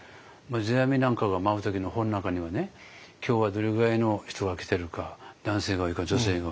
世阿弥なんかが舞う時の本の中にはね今日はどれぐらいの人が来てるか男性が多いか女性が多いか。